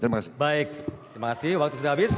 terima kasih waktu sudah habis